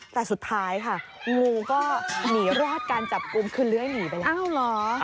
แต่สุดท้ายค่ะงูก็หนีรอดการจับกลุ่มคือเลื้อยหนีไปแล้วอ้าวเหรอ